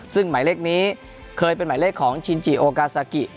ซึ่งหมายเลขนี้เคยเป็นหมายเลขของชินจิโอกาซากิ